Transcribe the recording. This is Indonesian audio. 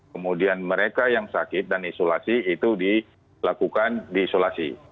kemudian mereka yang sakit dan isolasi itu dilakukan di isolasi